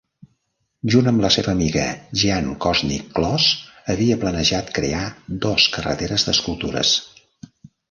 Junt amb la seva amiga Jeanne Kosnick-Kloss havia planejat crear dos carreteres d'escultures.